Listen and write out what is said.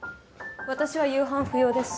私は夕飯不要です。